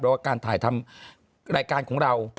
แล้วก็การถ่ายรายการของเรา